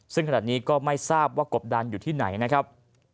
ซึ่งขณะนี้ก็ไม่ทราบว่ากบดันอยู่ที่ไหนนะครับ